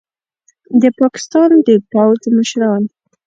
د پاکستان د پوځ مشران